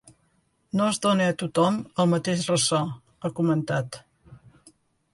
“No es dóna a tothom el mateix ressò”, ha comentat.